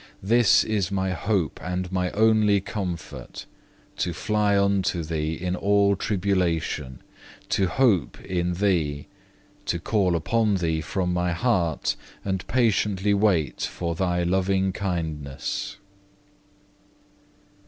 This is my hope and my only comfort, to fly unto Thee in all tribulation, to hope in Thee, to call upon Thee from my heart and patiently wait for Thy loving kindness.